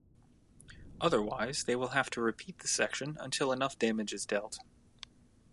Otherwise, they will have to repeat the section until enough damage is dealt.